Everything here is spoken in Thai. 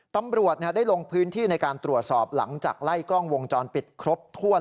ตำรวจได้ลงพื้นที่ในการตรวจสอบหลังจากไล่กล้องวงจรปิดครบถ้วน